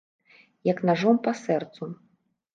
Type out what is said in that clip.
Як нажом па сэрцу.